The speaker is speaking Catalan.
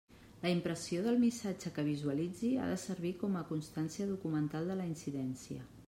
La impressió del missatge que visualitzi ha de servir com a constància documental de la incidència.